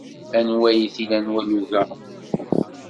Anwa ay t-ilan walug-a?